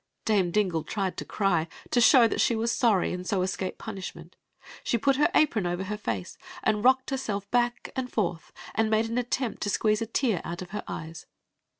Dame Dingb tried to cry, to show that she was sorry and so escape punishment She put her apron over her face, and rocked herself back and fortfi, and made an attempt to squeeze a tear out of her eyes.